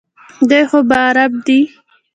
دوی خو عرب دي.